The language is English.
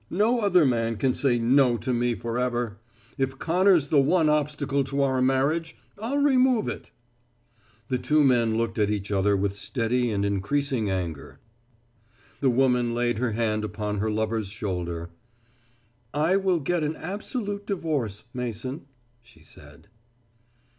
No other man can say 'No' to me forever. If Connor's the one obstacle to our marriage I'll remove it." The two men looked at each other with steady and increasing anger. The woman laid her hand upon her lover's shoulder. "I will get an absolute divorce, Mason," she said.